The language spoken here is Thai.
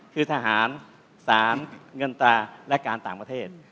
คือทหารสารเงินตราและการต่างประเทศ